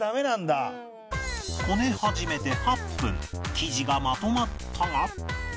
生地がまとまったら